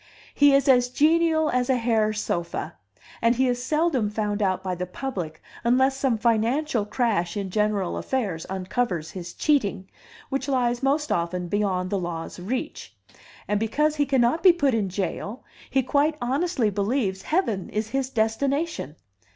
He is as genial as a hair sofa; and he is seldom found out by the public unless some financial crash in general affairs uncovers his cheating, which lies most often beyond the law's reach; and because he cannot be put in jail, he quite honestly believes heaven is his destination.